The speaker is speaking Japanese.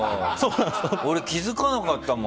俺、気づかなかったもん。